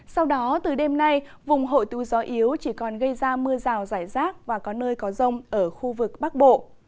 sau đó từ đêm nay vùng hội tụ gió yếu chỉ còn gây ra mưa rào rải rác và có nơi có rông ở khu vực bắc bộ